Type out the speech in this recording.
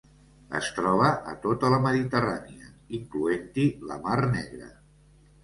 Es troba a tota la Mediterrània, incloent-hi la Mar Negra.